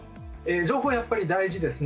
情報はやっぱり大事ですね。